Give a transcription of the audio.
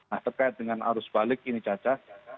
nah terkait dengan arus balik ini caca